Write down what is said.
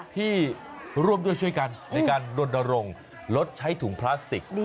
ที่ร่วมด้วยช่วยกันในการลนรงค์ลดใช้ถุงพลาสติก